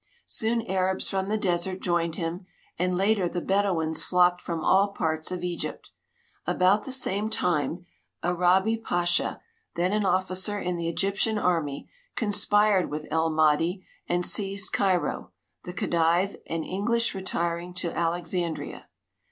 Soon Arabs from the desert joined him, and later the Bedouins flocked from all parts of Egypt. About the same time Arabi Pasha, then an officer in the Egyptian army, cons{)ired with El Mahdi and seized Cairo, the Khedive and English retiring to Alexandria.